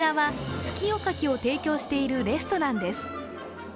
こちらは月夜牡蠣を提供しているレストランです。